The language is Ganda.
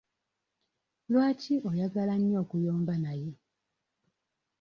Lwaki oyagala nnyo okuyomba naye?